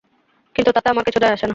কিন্তু তাতে আমার কিছু আসে যায় না।